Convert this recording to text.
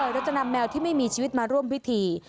โดยจะนำแมวที่ไม่มีชีวิตมาร่วมพิธี